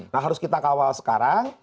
nah harus kita kawal sekarang